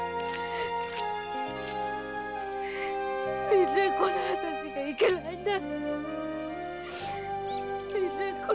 みんなこのあたしがいけないんだ。